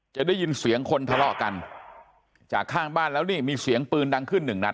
จะได้ยินเสียงคนทะเลาะกันจากข้างบ้านแล้วนี่มีเสียงปืนดังขึ้นหนึ่งนัด